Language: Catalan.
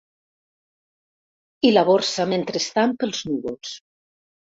I la borsa mentrestant pels núvols...